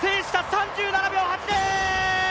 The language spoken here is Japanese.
３７秒８０！